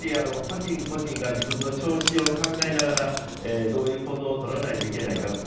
個人個人が自分の調子を考えながらどういう行動を取らないといけないか。